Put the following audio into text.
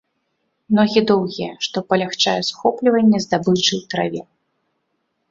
Ногі доўгія, што палягчае схопліванне здабычы ў траве.